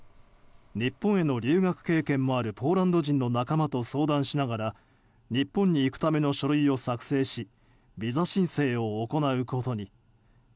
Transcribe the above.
日本への留学経験のあるポーランド人の仲間と相談しながら日本に行くための書類を作成しビザ申請を行うことに。